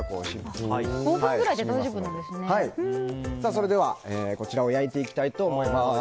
それではこちらを焼いていきたいと思います。